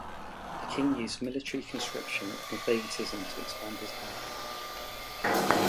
The king used military conscription and favoritism to expand his power.